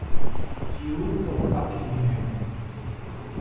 Duke of Buckingham.